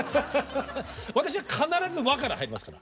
私は必ず「わ」から入りますから。